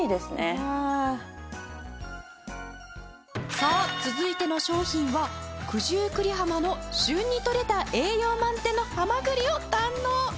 さあ続いての商品は九十九里浜の旬にとれた栄養満点の蛤を堪能！